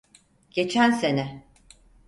Geçen sene.